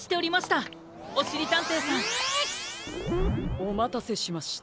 おまたせしました。